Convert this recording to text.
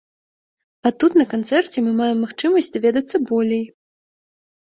А тут на канцэрце мы маем магчымасць даведацца болей.